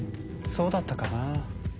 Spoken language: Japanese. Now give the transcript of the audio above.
そうだったかなぁ。